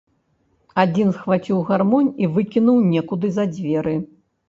Адзін схваціў гармонь і выкінуў некуды за дзверы.